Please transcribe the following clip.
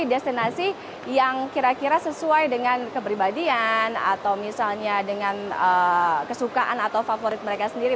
destinasi yang kira kira sesuai dengan kepribadian atau misalnya dengan kesukaan atau favorit mereka sendiri